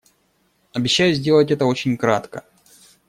Обещаю сделать это очень кратко.